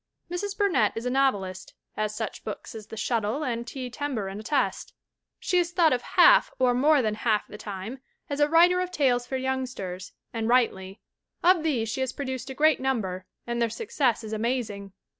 Mrs. Burnett is a novelist, as such books as The Shuttle and T. Tern baron attest. She is thought of half or more than half the time as a writer of tales for youngsters, and right ly. Of these she has produced a great number and their success is amazing.